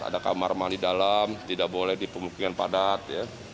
ada kamar mandi dalam tidak boleh di pemungkinkan padat